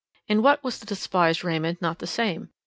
In what was the despised Raymond not the same?